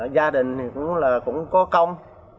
gia đình thì cũng là cũng có công